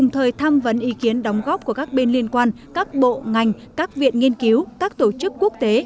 thời tham vấn ý kiến đóng góp của các bên liên quan các bộ ngành các viện nghiên cứu các tổ chức quốc tế